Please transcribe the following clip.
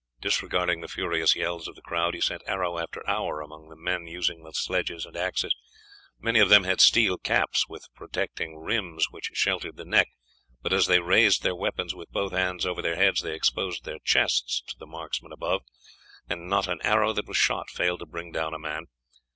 Disregarding the furious yells of the crowd, he sent arrow after arrow among the men using the sledges and axes. Many of them had steel caps with projecting rims which sheltered the neck, but as they raised their weapons with both hands over their heads they exposed their chests to the marksman above, and not an arrow that was shot failed to bring down a man.